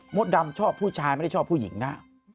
ดำชอบผู้ชายไม่ได้ชอบผู้หญิงนะ